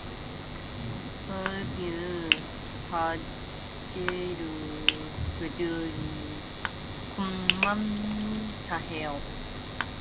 선비는 화제를 돌린 것만 다행으로 생각하고 얼른 대답하였다.